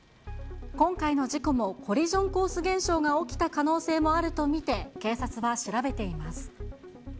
今回の事故も、コリジョンコース現象が起きた可能性もあると見て、警察は調べています。